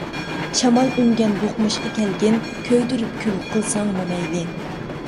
شامال ئۈنگەن دوقمۇشقا كەلگىن، كۆيدۈرۈپ كۈل قىلساڭمۇ مەيلى.